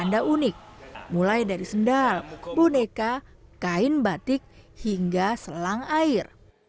tanda unik mulai dari sendal boneka kain batik hingga selang air